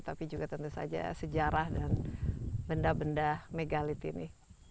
tapi juga tentu saja sejarah dan benda benda megalit ini